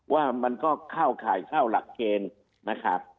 ว่ามันก็เข้าข่ายเข้าหลักเกณฑ์นะครับ